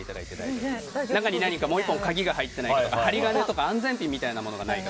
この中にもう１本、鍵が入ってないかとか針金や安全ピンみたいなものがないか。